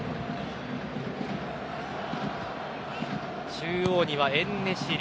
中央にはエンネシリ。